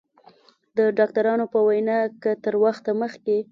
د ډاکترانو په وینا که تر وخته مخکې